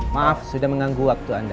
maaf sudah mengganggu waktu anda